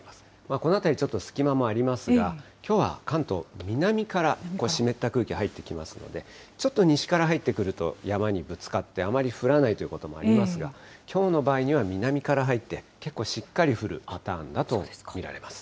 この辺り、ちょっと隙間もありますが、きょうは関東、南から湿った空気入ってきますので、ちょっと西から入ってくると山にぶつかって、あまり降らないということもありますが、きょうの場合には南から入って、結構、しっかり降るパターンだと見られます。